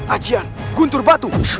ajaan guntur batu batu